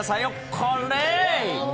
これ。